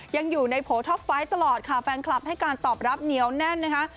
ยังอยู่ในโพลท็อปไฟต์ตลอดค่ะแฟนคลับให้การตอบรับเหนียวแน่นนะคะ